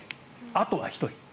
あとは１人。